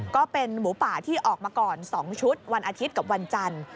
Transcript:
ก็เป็นหมูป่าที่ออกมาก่อน๒ชุดวันอาทิตย์กับวันจันทร์